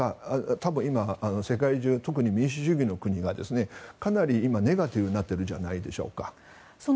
特に世界中の民主主義の国はかなりネガティブになってるんじゃないでしょうか。